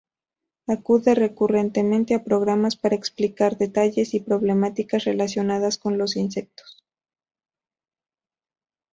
Acude recurrentemente a programas para explicar detalles y problemáticas relacionadas con los insectos.